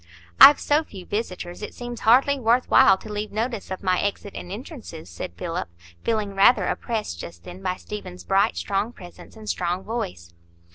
"I've so few visitors, it seems hardly worth while to leave notice of my exit and entrances," said Philip, feeling rather oppressed just then by Stephen's bright strong presence and strong voice.